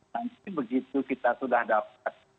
nanti begitu kita sudah dapat